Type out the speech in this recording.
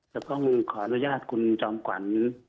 จะคว่าขออนุญาตของขุมจลอมก่อน